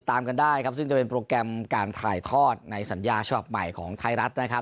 ตามกันได้ครับซึ่งจะเป็นโปรแกรมการถ่ายทอดในสัญญาฉบับใหม่ของไทยรัฐนะครับ